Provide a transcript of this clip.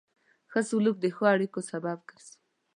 ښه سلوک د ښو اړیکو سبب ګرځي.